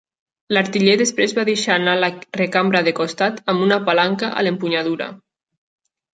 L'artiller després va deixar anar la recambra de costat amb una palanca a l'empunyadura.